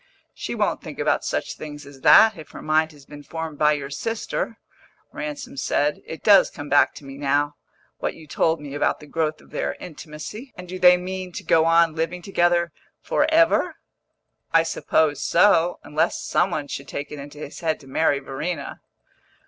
"She won't think about such things as that, if her mind has been formed by your sister," Ransom said. "It does come back to me now, what you told me about the growth of their intimacy. And do they mean to go on living together for ever?" "I suppose so unless some one should take it into his head to marry Verena."